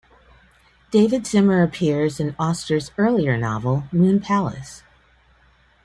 David Zimmer appears in Auster's earlier novel "Moon Palace".